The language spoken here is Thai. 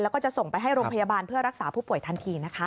แล้วก็จะส่งไปให้โรงพยาบาลเพื่อรักษาผู้ป่วยทันทีนะคะ